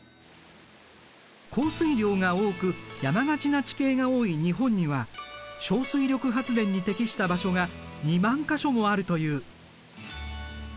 降水量が多く山がちな地形が多い日本には小水力発電に適した場所が２万か所もあるという。